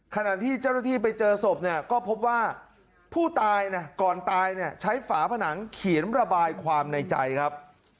ขณะที่เจ้าหน้าที่ไปเจอศพเนี่ยก็พบว่าผู้ตายนะก่อนตายเนี่ยใช้ฝาผนังเขียนระบายความในใจครับ